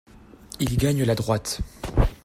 Il gagne la droite.